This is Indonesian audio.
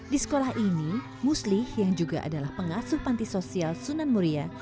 di sekolah ini muslih yang juga adalah pengasuh panti sosial sunan muria